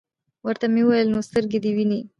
ورته ومي ویل : نو سترګي دي وینې ؟